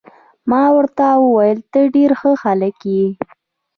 ما ورته وویل: ته ډیر ښه هلک يې.